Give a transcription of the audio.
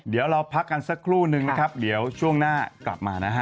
เดี๋ยวเราพักกันสักครู่นึงนะครับเดี๋ยวช่วงหน้ากลับมานะฮะ